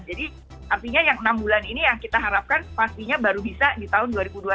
jadi artinya yang enam bulan ini yang kita harapkan pastinya baru bisa di tahun dua ribu dua puluh satu